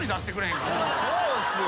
そうっすよ。